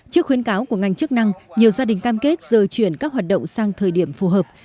trước khuyến cáo của ngành chức năng nhiều gia đình cam kết dời chuyển các hoạt động sang thời điểm phù hợp